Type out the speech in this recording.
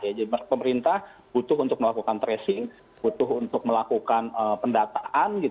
jadi pemerintah butuh untuk melakukan tracing butuh untuk melakukan pendataan